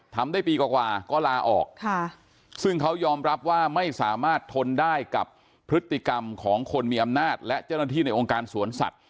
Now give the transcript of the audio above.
ทำได้ปีกว่าก็ลาออกซึ่งเขายอมรับว่าไม่สามารถทนได้กับพฤติกรรมของคนมีอำนาจและเจ้าหน้าที่ในองค์การสวนสัตว